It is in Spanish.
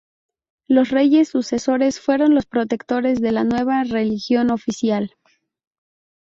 Los reyes sucesores fueron los protectores de la nueva religión oficial.